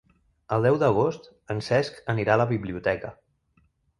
El deu d'agost en Cesc anirà a la biblioteca.